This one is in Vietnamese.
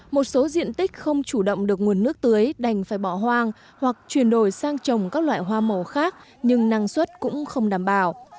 một số diện tích không chủ động được nguồn nước tưới đành phải bỏ hoang hoặc chuyển đổi sang trồng các loại hoa màu khác nhưng năng suất cũng không đảm bảo